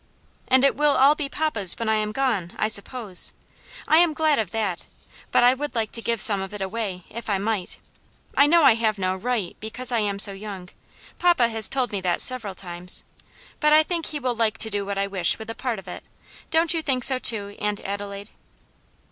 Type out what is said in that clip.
"And it will all be papa's when I am gone, I suppose. I am glad of that. But I would like to give some of it away, if I might. I know I have no right, because I am so young papa has told me that several times but I think he will like to do what I wish with a part of it; don't you think so, too, Aunt Adelaide?"